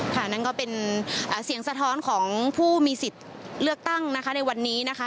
นั่นก็เป็นเสียงสะท้อนของผู้มีสิทธิ์เลือกตั้งนะคะในวันนี้นะคะ